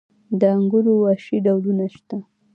د انګورو وحشي ډولونه شته؟